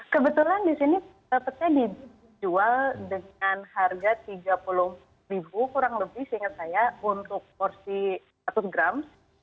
kebetulan di sini tepetnya dijual dengan harga rp tiga puluh ribu kurang lebih seingat saya untuk porsi satu gram